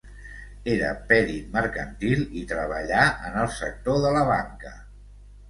Era perit mercantil i treballà en el sector de la banca.